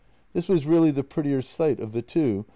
This was really the prettier sight of the two.